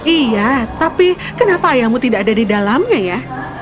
iya tapi kenapa ayahmu tidak ada di dalamnya ya